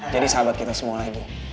jadi sahabat kita semua lagi